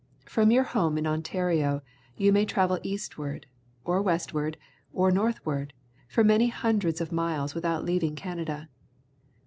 From your home in Ontario you may travel eastward, or westward, or north ward, for many hundreds of miles without leaving Canada.